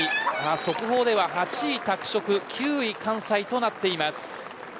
速報では８位拓殖９位関西となっています。